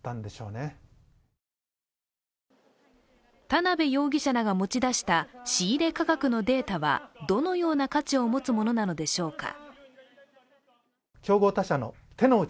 田辺容疑者らが持ち出した仕入価格のデータはどのような価値を持つものなのでしょうか。